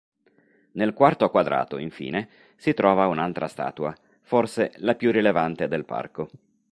Nel quarto quadrato, infine, si trova un'altra statua, forse la più rilevante del parco.